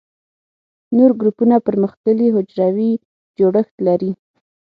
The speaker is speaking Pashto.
نور ګروپونه پرمختللي حجروي جوړښت لري.